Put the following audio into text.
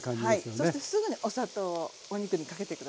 そしてすぐねお砂糖をお肉にかけて下さい。